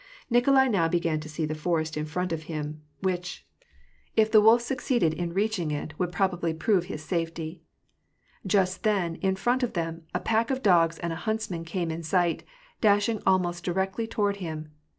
Nikolai now began to see the forest in front of him, which. WAn AND PEACE. 261 if the wolf succeeded in reaching it, would probably prove his safety. Just then, in front of them, a pack of dogs and a huntsman came in sight, dashing almost directly toward him.